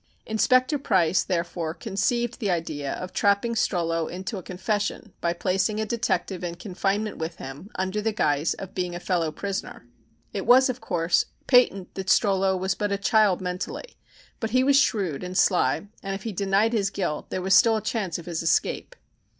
Inspector Price, therefore, conceived the idea of trapping Strollo into a confession by placing a detective in confinement with him under the guise of being a fellow prisoner. It was, of course, patent that Strollo was but a child mentally, but he was shrewd and sly, and if he denied his guilt, there was still a chance of his escape.